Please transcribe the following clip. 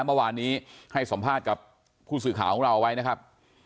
เมื่อวานนี้ให้สัมภาษณ์กับผู้สื่อข่าวของเราไว้นะครับ